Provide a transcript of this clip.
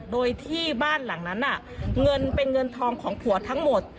โดยที่บ้านหลังนั้นเงินเป็นเงินทองของผัวทั้งหมด